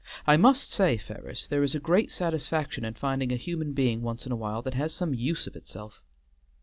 I must say, Ferris, there is a great satisfaction in finding a human being once in a while that has some use of itself."